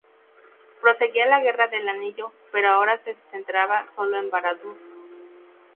Proseguía la Guerra del Anillo, pero ahora se centraba solo en Barad-dûr.